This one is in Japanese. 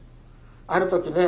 ある時ね